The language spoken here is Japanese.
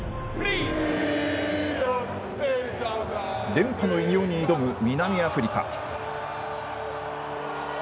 連覇の偉業に挑む南アフリカ。